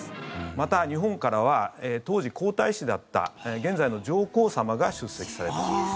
また、日本からは当時、皇太子だった現在の上皇さまが出席されています。